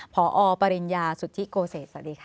พอปริญญาสุทธิโกเศษสวัสดีค่ะ